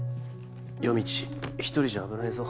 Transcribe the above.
夜道一人じゃ危ないぞ。